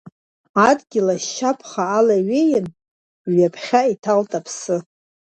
Адгьыл ашьа ԥха аалаҩеин, ҩаԥхьа иҭалт аԥсы.